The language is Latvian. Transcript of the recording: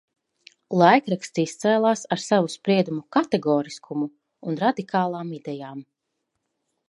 Laikraksts izcēlās ar savu spriedumu kategoriskumu un radikālām idejām.